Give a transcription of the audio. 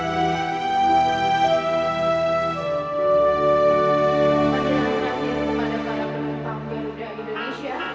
pertama kali pada panggilan indonesia